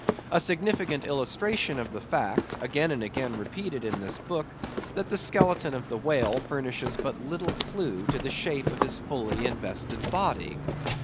A significant illustration of the fact, again and again repeated in this book, that the skeleton of the whale furnishes but little clue to the shape of his fully invested body.